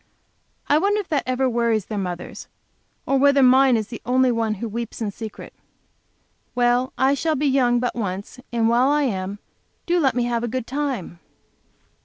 I wonder if that ever worries their mothers, or whether mine is the only one who weeps in secret? Well, I shall be young but once, and while I am, do let me have a good time!